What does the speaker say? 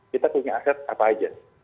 kita punya aset apa aja